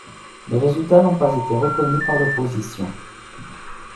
Les résultats n'ont pas été reconnus par l'opposition.